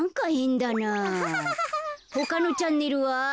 ほかのチャンネルは？